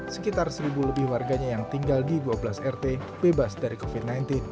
sekitar seribu lebih warganya yang tinggal di dua belas rt bebas dari covid sembilan belas